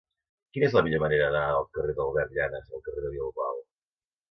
Quina és la millor manera d'anar del carrer d'Albert Llanas al carrer de Bilbao?